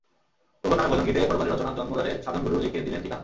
প্রভুর নামে ভজন গীতে পরপারের রচনা, জন্ম দ্বারে সাধন গুরু লিখে দিলেন ঠিকানা।